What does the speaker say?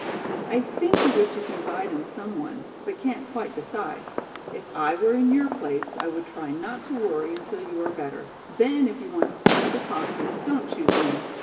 I think you wish to confide in some one, but can't quite decide. If I were in your place I would try not to worry until you are better, then if you want some one to talk to, don't choose me.